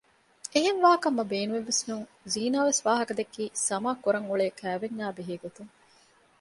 އެހެން ވާކަށް މަ ބޭނުމެއްވެސް ނޫން ޒީނާ ވެސް ވާހަކަ ދެއްކީ ސަމާ ކުރަން އުޅޭ ކައިވެންޏާއި ބެހޭގޮތުން